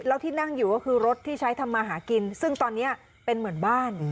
แล้วที่นั่งอยู่ก็คือรถที่ใช้ทำมาหากินซึ่งตอนนี้เป็นเหมือนบ้าน